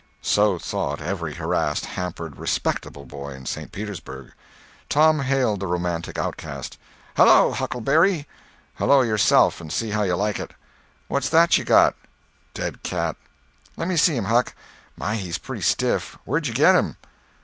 So thought every harassed, hampered, respectable boy in St. Petersburg. Tom hailed the romantic outcast: "Hello, Huckleberry!" "Hello yourself, and see how you like it." "What's that you got?" "Dead cat." "Lemme see him, Huck. My, he's pretty stiff. Where'd you get him?"